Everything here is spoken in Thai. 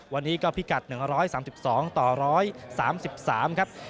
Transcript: วันนี้ก็พิกัด๑๓๒ต่อ๑๓๓ครับ